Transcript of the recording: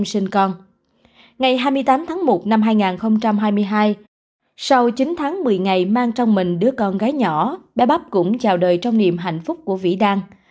sau chín tháng một mươi ngày mang trong mình đứa con gái nhỏ bé bắp cũng chào đời trong niềm hạnh phúc của vĩ đan